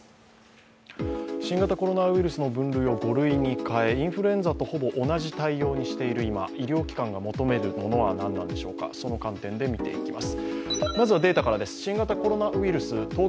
新型コロナウイルスの分類を５類に変え、インフルエンザと同じ分類にしている今、医療機関が求めるものは何なのかその観点で見ていきます。